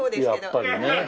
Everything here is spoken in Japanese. やっぱりね。